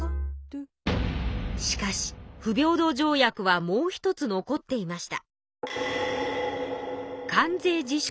しかし不平等条約はもう一つ残っていました。